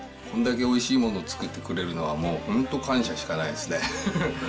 こんだけおいしいものを作ってくれるのは、もう本当感謝しかないですね。